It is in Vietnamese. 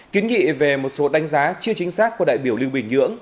kiến nghị về một số đánh giá chưa chính xác của đại biểu lưu bình nhưỡng